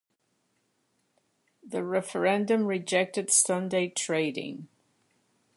The referendum rejected Sunday trading.